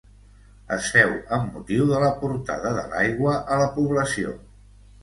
Es féu amb motiu de la portada de l'aigua a la població.